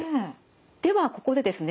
ではここでですね